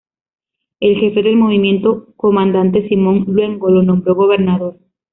El jefe del movimiento, comandante Simón Luengo lo nombró gobernador.